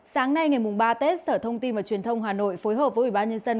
sáng nay ngày ba tết sở thông tin và truyền thông hà nội phối hợp với ủy ban nhân dân